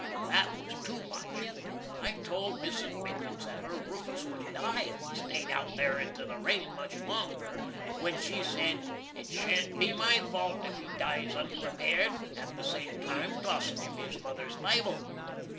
That was 2 mutch. I told Mrs. Minkins that her Roofus would die if he staid out there into the rain much longer; when she said, "It shan't be my fault if he dies unprepared," at the same time tossin' him his mother's Bible.